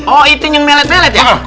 oh itu yang melet melet ya